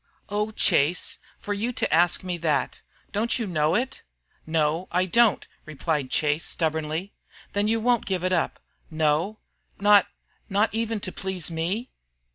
"Oh, Chase, for you to ask me that! Don't you know it?" "No, I don't," replied Chase, stubbornly. "Then you won't give it up?" "No." "Not not even to please me?"